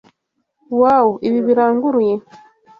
Wow, ibi biranguruye!